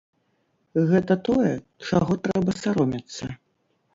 Гэта тое, чаго трэба саромецца.